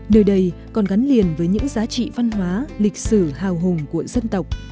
nơi đây còn gắn liền với những giá trị văn hóa lịch sử hào hùng của dân tộc